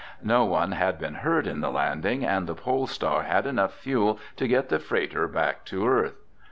No one had been hurt in the landing and the Pole Star had enough fuel to get the freighter back to Earth.